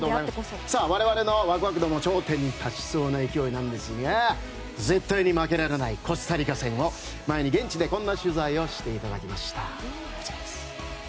我々のワクワク度も頂点に達しそうな勢いですが絶対に負けられないコスタリカ戦を現地でこんな取材をしていただきました。